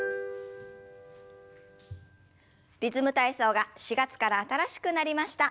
「リズム体操」が４月から新しくなりました。